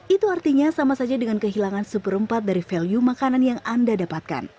itu artinya sama saja dengan kehilangan seperempat dari value makanan yang anda dapatkan